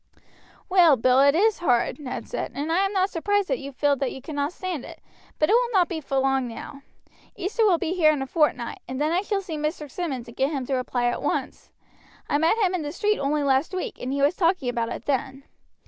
"Well, Bill, it is hard," Ned said, "and I am not surprised that you feel that you cannot stand it; but it won't be for long now. Easter will be here in a fortnight, and then I shall see Mr. Simmonds and get him to apply at once. I met him in the street only last week, and he was talking about it then.